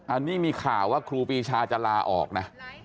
อันนี้มีข่าวว่าครูปีชาจะลาออกนะ